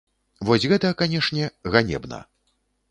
Вось гэта, канешне, ганебна.